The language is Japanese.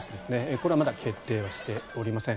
これはまだ決定はしておりません。